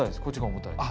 重たいです。